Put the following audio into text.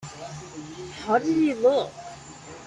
How did he look?